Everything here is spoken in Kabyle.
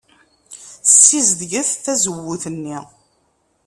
Ssizedget tazewwut-nni.